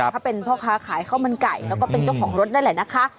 เขาเป็นพ่อค้าขายข้าวมันไก่แล้วก็เป็นเจ้าของรถนั่นแหละนะคะ